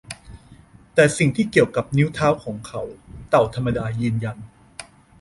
แต่สิ่งที่เกี่ยวกับนิ้วเท้าของเขา เต่าธรรมดายืนยัน